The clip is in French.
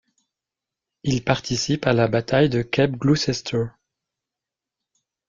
Il participe à la bataille de Cape Gloucester.